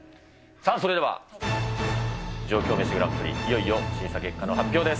さあ、それでは上京メシグランプリ、審査結果の発表です。